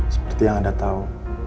seperti yang anda tahu